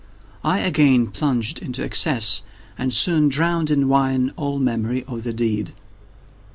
I again plunged into excess, and soon drowned in wine all memory of the deed.